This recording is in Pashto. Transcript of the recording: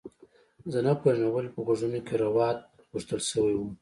زه نه پوهیږم ولې په غوږونو کې روات غوښتل شوي وو